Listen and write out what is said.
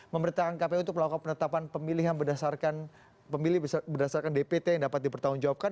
pemerintahkan kpu untuk melakukan penetapan pemilihan berdasarkan dpt yang dapat dipertanggungjawabkan